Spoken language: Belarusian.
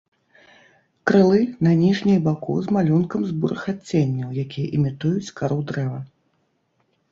Крылы на ніжняй баку з малюнкам з бурых адценняў, якія імітуюць кару дрэва.